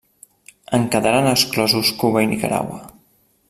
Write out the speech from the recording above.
En quedaren exclosos Cuba i Nicaragua.